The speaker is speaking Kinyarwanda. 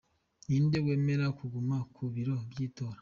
Ninde wemerewe kuguma ku biro by’itora ?